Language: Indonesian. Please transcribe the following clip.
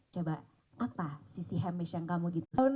coba apa sisi hamish yang kamu gitu